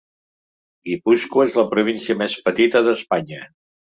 Guipúscoa és la província més petita d"Espanya.